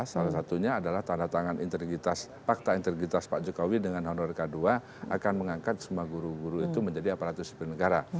salah satunya adalah tanda tangan integritas fakta integritas pak jokowi dengan honor k dua akan mengangkat semua guru guru itu menjadi aparatur sipil negara